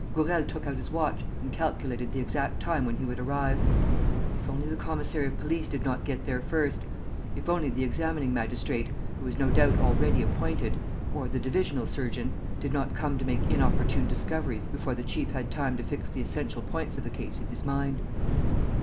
Gourel took out his watch and calculated the exact time when he would arrive. If only the commissary of police did not get there first, if only the examining magistrate, who was no doubt already appointed, or the divisional surgeon, did not come to make inopportune discoveries before the chief had time to fix the essential points of the case in his mind!